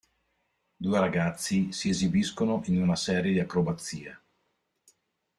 Due ragazzi si esibiscono in una serie di acrobazie.